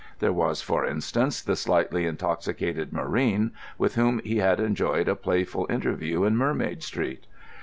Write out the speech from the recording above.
There was, for instance, the slightly intoxicated marine with whom he had enjoyed a playful interview in Mermaid Street.